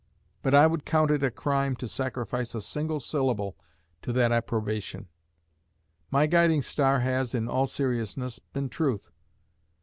But I would count it a crime to sacrifice a single syllable to that approbation. My guiding star has, in all seriousness, been truth.